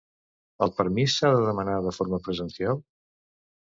El permís s'ha de demanar de forma presencial?